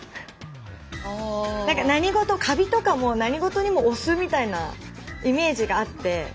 なんかカビとかも何事にもお酢みたいなイメージがあって。